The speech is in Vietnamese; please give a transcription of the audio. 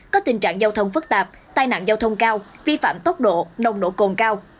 có tình trạng giao thông phức tạp tai nạn giao thông cao vi phạm tốc độ nồng độ cồn cao